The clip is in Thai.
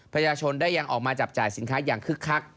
ประชาชนได้ยังออกมาจับจ่ายสินค้าอย่างคึกคัก